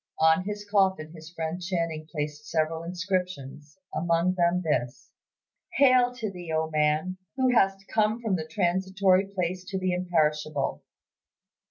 On his coffin his friend Channing placed several inscriptions, among them this, "Hail to thee, O man! who hast come from the transitory place to the imperishable."